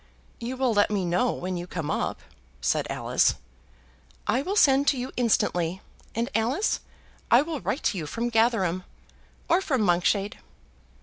"You will let me know when you come up," said Alice. "I will send to you instantly; and, Alice, I will write to you from Gatherum, or from Monkshade."